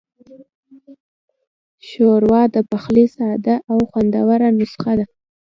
ښوروا د پخلي ساده خو خوندوره نسخه ده.